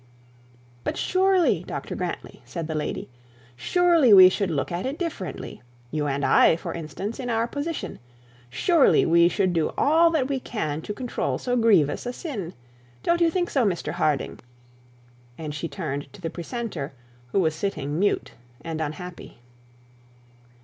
'But surely, Dr Grantly,' said the lady, 'surely we should look at it differently. You and I, for instance, in our position: surely we should do all that we can to control so grievous a sin. Don't you think so, Mr Harding?' and she turned to the precentor, who was sitting mute and unhappy.